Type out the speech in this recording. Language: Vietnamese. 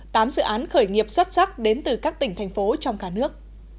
tám dự án khởi nghiệp xuất sắc đến từ các tỉnh thành phố trong cả nước